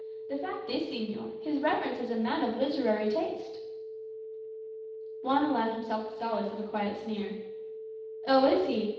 The fact is, señor, his reverence is a man of literary taste." Juan allowed himself the solace of a quiet sneer. "Oh, is he?